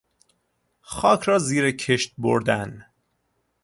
خاک را زیر کشت بردن